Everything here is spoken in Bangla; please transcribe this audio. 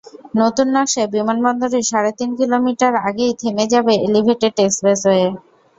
নতুন নকশায় বিমানবন্দরের সাড়ে তিন কিলোমিটার আগেই থেমে যাবে এলিভেটেড এক্সপ্রেসওয়ে।